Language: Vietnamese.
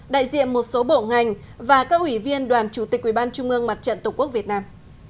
đại diện một số bộ ngành và các ủy viên đoàn chủ tịch ủy ban trung ương mặt trận tổ quốc việt nam